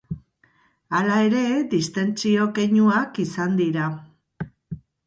Hala ere, distentsio keinuak izan dira.